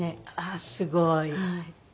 あっすごい。